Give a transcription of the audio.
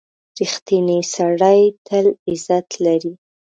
• رښتینی سړی تل عزت لري.